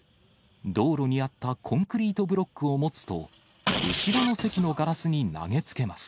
道路にあったコンクリートブロックを持つと、後ろの席のガラスに投げつけます。